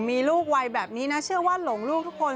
มีลูกวัยแบบนี้นะเชื่อว่าหลงลูกทุกคน